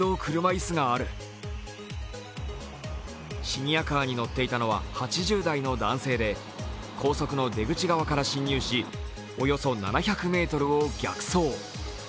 シニアカーに乗っていたのは８０代の男性で高速の出口側から進入しおよそ７００ｍを逆走。